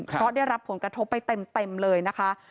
เพราะได้รับผลกระทบไปเต็มเลยนะคะ